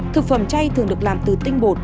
thực phẩm chay thường được làm từ tinh bồ